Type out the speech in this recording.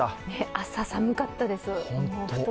朝、寒かったです。